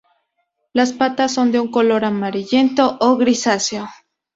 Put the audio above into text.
Las patas son de un color amarillento o grisáceo.